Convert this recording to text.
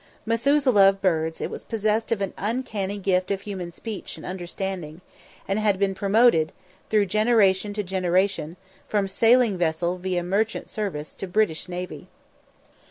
Methuselah of birds, it was possessed of an uncanny gift of human speech and understanding, and had been promoted through generation to generation, from sailing vessel via Merchant Service to British Navy.